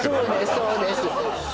そうです